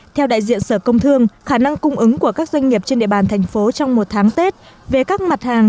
theo đại diện sở công thương khả năng cung ứng của các doanh nghiệp trên địa bàn thành phố trong một tháng tết về các mặt hàng